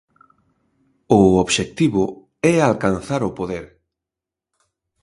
O obxectivo é alcanzar o poder.